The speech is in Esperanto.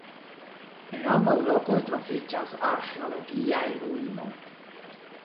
En ambaŭ lokoj troviĝas arĥeologiaj ruinoj.